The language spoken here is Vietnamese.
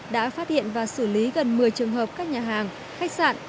đã phát hiện và xử lý gần một mươi trường hợp các nhà hàng khách sạn